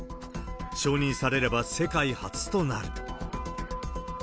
承認されれば世界初となる。